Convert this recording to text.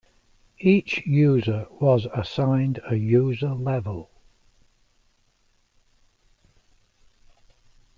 Each user was assigned a user level.